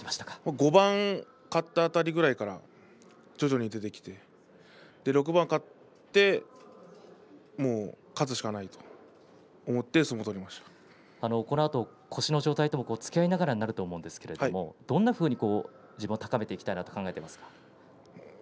５番勝った辺りから徐々に出てきて６番勝って、もう勝つしかないとこのあと腰の状態とつきあいながらになると思いますがどんなふうに自分を高めていきたいと考えていますか。